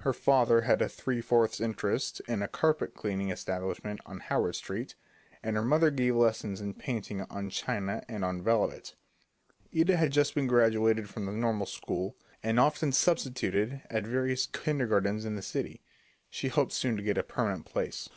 Her father had a three fourths interest in a carpet cleaning establishment on Howard Street, and her mother gave lessons in painting on china and on velvet. Ida had just been graduated from the normal school, and often substituted at various kindergartens in the city. She hoped soon to get a permanent place.